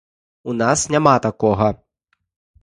У нас няма такога!